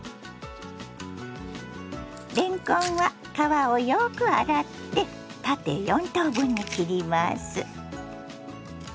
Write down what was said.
れんこんは皮をよく洗って縦４等分に切ります。